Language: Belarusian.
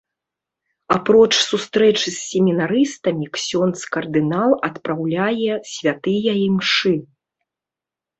Апроч сустрэч з семінарыстамі, ксёндз кардынал адпраўляе святыя імшы.